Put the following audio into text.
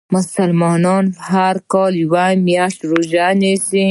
مسلمانان هر کال یوه میاشت روژه نیسي .